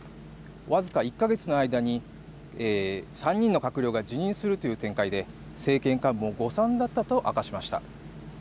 僅か１か月の間に３人の閣僚が辞任するという展開で、政権幹部も誤算だったと明かしました。